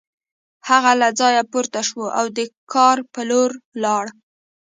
هغه له ځایه پورته شو او د کار په لور لاړ